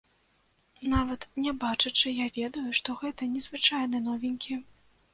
Нават не бачачы, я ведаю, што гэта не звычайны новенькі.